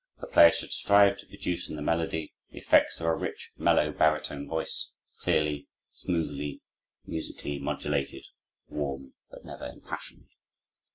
The player should strive to produce in the melody the effects of a rich, mellow baritone voice, clearly, smoothly, musically modulated, warm, but never impassioned.